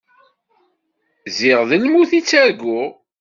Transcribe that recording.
Zgiɣ d lmut i ttarguɣ.